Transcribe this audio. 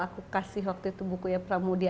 aku kasih waktu itu buku ya pramudia